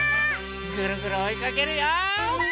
ぐるぐるおいかけるよ！